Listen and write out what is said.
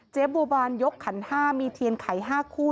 บัวบานยกขัน๕มีเทียนไข่๕คู่